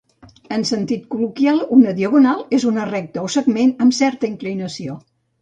En sentit col·loquial, una diagonal és una recta o segment amb certa inclinació.